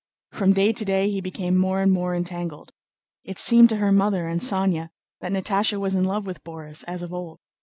From day to day he became more and more entangled. It seemed to her mother and Sónya that Natásha was in love with Borís as of old.